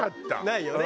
ないよね。